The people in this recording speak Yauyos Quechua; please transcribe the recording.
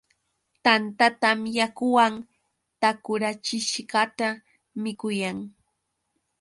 Tantatam yakuwan takurachishqata mikuyan.